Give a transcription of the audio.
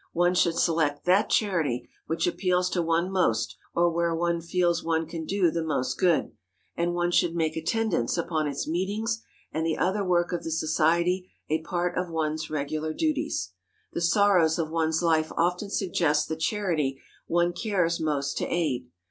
One should select that charity which appeals to one most or where one feels one can do the most good, and one should make attendance upon its meetings and the other work of the society a part of one's regular duties. The sorrows of one's life often suggest the charity one cares most to aid.